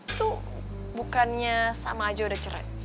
itu bukannya sama aja udah cerai